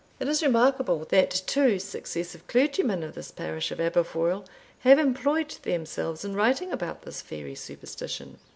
It is remarkable, that two successive clergymen of this parish of Aberfoil have employed themselves in writing about this fairy superstition.